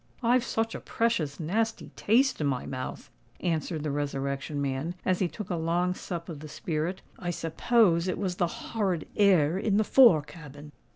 "I've such a precious nasty taste in my mouth," answered the Resurrection Man, as he took a long sup of the spirit. "I suppose it was the horrid air in the fore cabin."